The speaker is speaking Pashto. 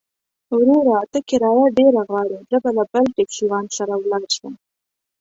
وروره! ته کرايه ډېره غواړې، زه به له بل ټکسيوان سره ولاړ شم.